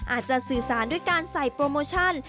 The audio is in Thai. อาจจะสื่อสารด้วยการใส่โปรโมชั่น